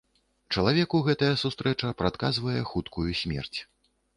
Чалавеку гэтая сустрэча прадказвае хуткую смерць.